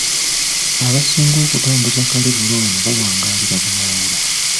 Abasinga okutambuza kalebule ono bawangaalira bunaayira